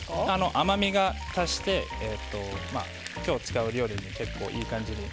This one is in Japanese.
甘みが足されて今日使う料理に結構いい感じに。